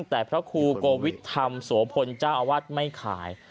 แต่พระครูโกวิทธรรมสวพลจ้าวัดไม่ขาย